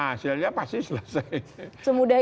hasilnya pasti selesai semudah